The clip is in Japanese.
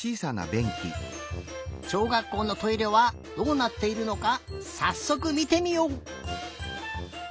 しょうがっこうのトイレはどうなっているのかさっそくみてみよう！